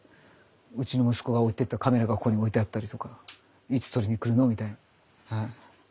うちの息子が置いてったカメラがここに置いてあったりとかいつ取りに来るのみたいなはい。